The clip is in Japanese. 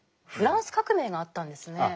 フランス革命があったんですね。